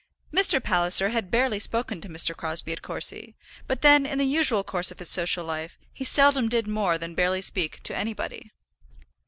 Mr. Palliser had barely spoken to Mr. Crosbie at Courcy, but then in the usual course of his social life he seldom did more than barely speak to anybody.